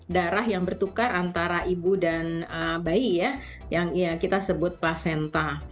darah yang bertukar antara ibu dan bayi ya yang kita sebut placenta